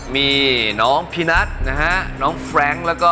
มีน้องพินอล